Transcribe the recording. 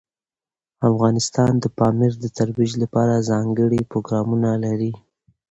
افغانستان د پامیر د ترویج لپاره ځانګړي پروګرامونه لري.